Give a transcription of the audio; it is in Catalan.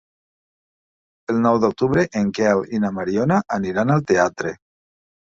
El nou d'octubre en Quel i na Mariona aniran al teatre.